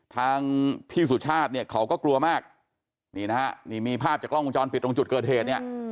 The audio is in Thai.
ทางพี่สุชาติเนี่ยเขาก็กลัวมากนี่นะฮะนี่มีภาพจากกล้องวงจรปิดตรงจุดเกิดเหตุเนี่ย